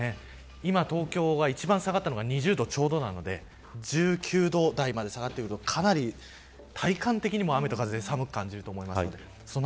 今東京が、一番下がったのが２０度ちょうどなので１９度台まで下がると体感的にも雨と風で寒く感じると思います。